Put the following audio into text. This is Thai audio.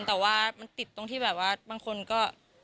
แต่ว่ามันติดตรงที่แบบว่าบางคนก็